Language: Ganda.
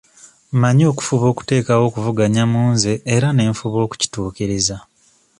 Mmanyi okufuba okuteekawo okuvuganya mu nze era ne nfuba okukituukiriza.